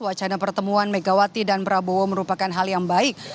wacana pertemuan megawati dan prabowo merupakan hal yang baik